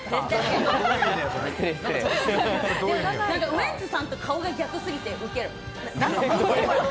ウエンツさんと顔が逆すぎてウケる。